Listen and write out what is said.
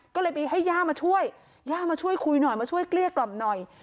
ก็เลยไปให้ย่ามาช่วยย่ามาช่วยคุยหน่อยมาช่วยเกลี้ยกล่อมหน่อย